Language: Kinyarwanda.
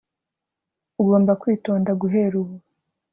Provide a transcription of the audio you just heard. Ugomba kwitonda guhera ubu